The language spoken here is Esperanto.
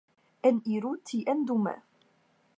Eniru tien dume.